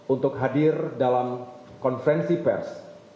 untuk hadir dalam konferensi pers